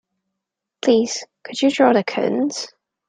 Please could you draw the curtains?